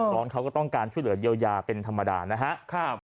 น้องเขาก็ต้องการช่วยเหลือเยียวยาเป็นธรรมดานะครับ